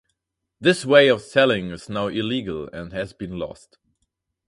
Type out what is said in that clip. This way of selling is now illegal, and has been lost.